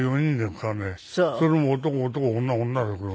それも男男女女ですから。